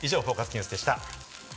ニュースでした。